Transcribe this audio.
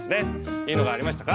いいのがありましたか？